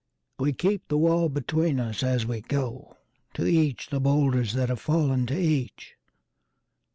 We keep the wall between us as we go. To each the boulders that have fallen to each.